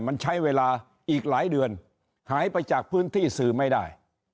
มันใช้เวลาอีกหลายเดือนหายไปจากพื้นที่สื่อไม่ได้